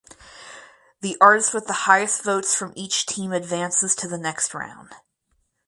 The artist with the highest votes from each team advances to the next round.